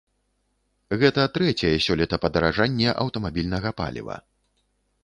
Гэта трэцяе сёлета падаражанне аўтамабільнага паліва.